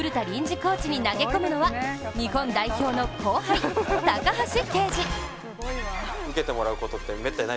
コーチに投げ込むのは日本代表の後輩、高橋奎二。